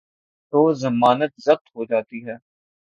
تو ضمانت ضبط ہو جاتی ہے۔